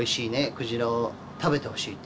鯨を食べてほしいと。